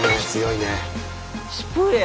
スプレー。